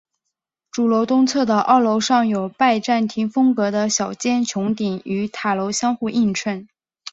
主楼东侧的二楼上有拜占廷风格的小尖穹顶与塔楼相互映衬。